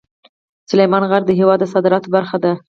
سلیمان غر د هېواد د صادراتو برخه ده.